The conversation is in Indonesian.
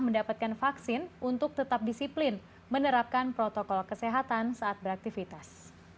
mendapatkan vaksin untuk tetap disiplin menerapkan protokol kesehatan saat beraktivitas